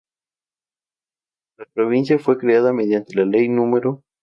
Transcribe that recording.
La provincia fue creada mediante Ley No.